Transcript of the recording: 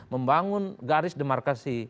membangun garis demarkasi